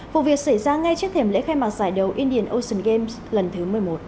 vụ việc xảy ra ngay trước thềm lễ khai mạc giải đấu indion ocean games lần thứ một mươi một